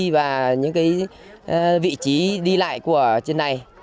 và những vị trí đi lại của trên này